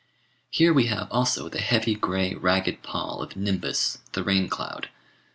Here we have also the heavy grey ragged pall of nimbus the rain cloud.